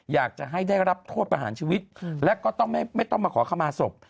อยากจะให้ได้รับโทษประหารชีวิตแล้วก็ต้องไม่ต้องมาขอขมาศพ